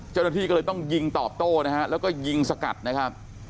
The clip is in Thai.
เจ้าหน้าที่ก็เลยต้องยิงตอบโต้นะฮะแล้วก็ยิงสกัดนะครับ